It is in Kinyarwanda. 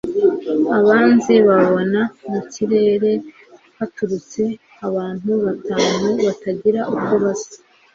abanzi babona mu kirere haturutse abantu batanu batagira uko basa